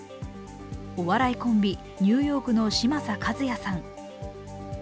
お笑いコンビ、ニューヨークの嶋佐和也さん。